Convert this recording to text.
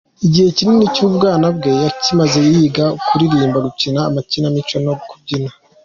Igihe kinini cy’ubwana bwe yakimaze yiga kuririmba, gukina amakinamico no kubyina.